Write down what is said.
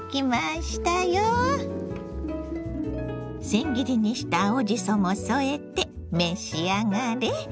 せん切りにした青じそも添えて召し上がれ。